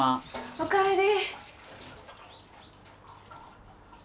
おかえり。